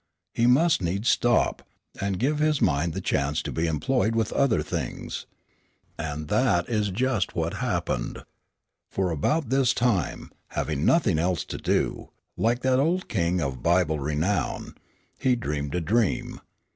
He must needs stop, and give his mind the chance to be employed with other things. And that is just what happened. For about this time, having nothing else to do, like that old king of Bible renown, he dreamed a dream.